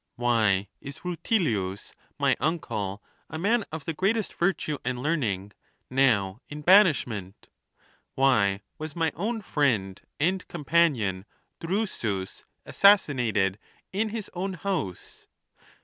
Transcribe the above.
Why is Rutilius, my uncle, a man of the greatest virtue and learning, now in banishment? Why was my own friend and companion Drusus assassinated in his own house